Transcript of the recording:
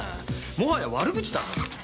もはや悪口だ。